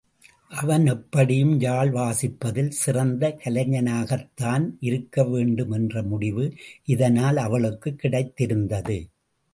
அவன் எப்படியும் யாழ் வாசிப்பதில் சிறந்த கலைஞனாகத்தான் இருக்க வேண்டும் என்ற முடிவு இதனால் அவளுக்குக் கிடைத்திருந்தது.